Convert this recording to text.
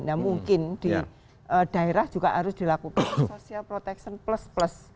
nah mungkin di daerah juga harus dilakukan social protection plus plus